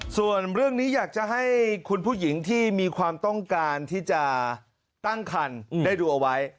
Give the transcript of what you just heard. ส่วนเรื่องนี้อยากจะให้คุณผู้หญิงที่มีความต้องการที่จะตั้งคันได้ดูเอาไว้